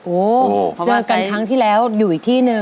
โอ้โหเจอกันครั้งที่แล้วอยู่อีกที่หนึ่ง